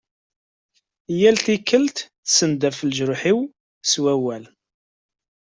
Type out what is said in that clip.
Yal tikelt tessendaf-d leǧruḥ-iw s wawal.